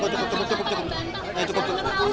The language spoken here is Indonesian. cukup cukup cukup